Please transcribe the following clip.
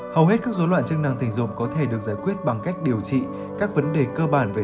hầu hết các dối loạn chức năng tình dục có thể được giải quyết bằng cách điều trị